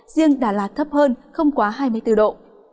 riêng đà lạt thấp hơn không quá hai mươi bốn độ